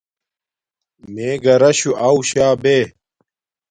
میے گھراشُݹ آݹ شا بے